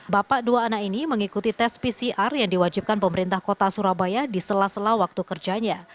bapak dua anak ini mengikuti tes pcr yang diwajibkan pemerintah kota surabaya di sela sela waktu kerjanya